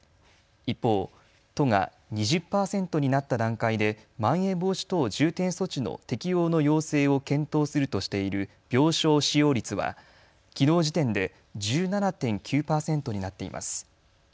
一方、都が２０％になった段階でまん延防止等重点措置の適用の要請を検討するとしている病床使用率はきのう時点で１７．９％になっています。